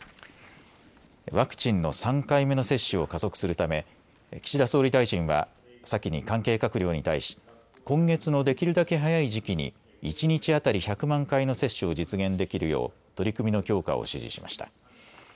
ワクチンの３回目の接種を加速するため、岸田総理大臣は、先に関係閣僚に対し、今月のできるだけ早い時期に、１日当たり１００万回の接種を実現できるよう、取り組みの強化を指示しました。